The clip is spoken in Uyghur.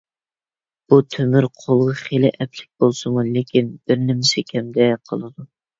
بۇ تۆمۈر قولغا خېلى ئەپلىك بولسىمۇ، لېكىن بىرنېمىسى كەمدەك قىلىدۇ.